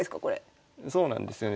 そうなんですよね。